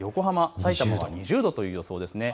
さいたま２０度という予想です。